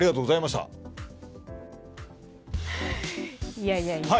いやいやいや。